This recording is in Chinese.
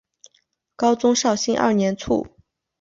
高宗绍兴二年卒。